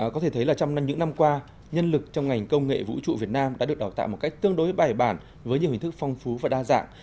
có thể thấy là trong những năm qua nhân lực trong ngành công nghệ vũ trụ việt nam đã được đào tạo một cách tương đối bài bản với nhiều hình thức phong phú và đa dạng